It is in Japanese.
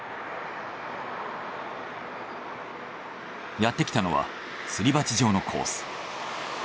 やってきたのはすり鉢状のコース。